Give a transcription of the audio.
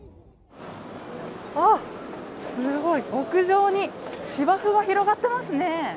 すごい、屋上に芝生が広がっていますね。